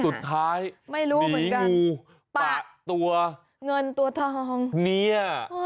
เฮ้ยเฮ้ยเฮ้ยเฮ้ยเฮ้ย